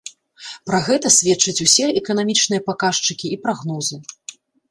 Пра гэта сведчаць усе эканамічныя паказчыкі і прагнозы.